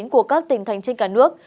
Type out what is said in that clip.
của các tỉnh thành trên cả nước